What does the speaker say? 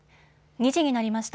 ２時になりました。